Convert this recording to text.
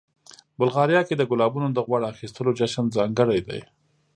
بلغاریا کې د ګلابونو د غوړ اخیستلو جشن ځانګړی دی.